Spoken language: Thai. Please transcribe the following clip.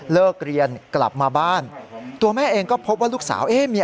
เลิกเรียนกลับมาบ้านตัวแม่เองก็พบว่าลูกสาวเอ๊ะเมีย